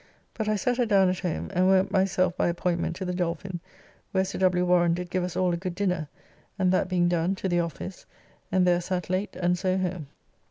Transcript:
But I set her down at home, and went myself by appointment to the Dolphin, where Sir W. Warren did give us all a good dinner, and that being done, to the office, and there sat late, and so home.